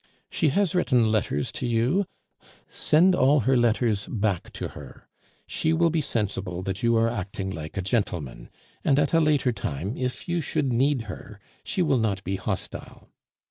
She has written letters to you; send all her letters back to her, she will be sensible that you are acting like a gentleman; and at a later time, if you should need her, she will not be hostile.